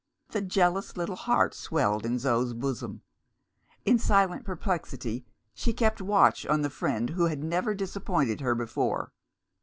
The jealous little heart swelled in Zo's bosom. In silent perplexity she kept watch on the friend who had never disappointed her before.